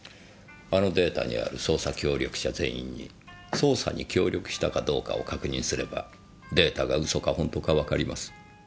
あのデータにある捜査協力者全員に捜査に協力したかどうかを確認すればデータが嘘か本当かわかります。